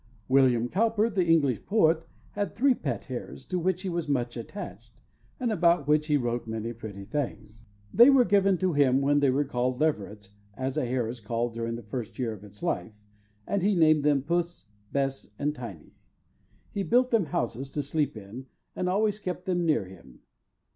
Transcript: William Cowper, the English poet, had three pet hares, to which he was much attached, and about which he wrote many pretty things. They were given to him when they were leverets, as a hare is called during the first year of its life, and he named them Puss, Bess, and Tiney. He built them houses to sleep in, and always kept them near him.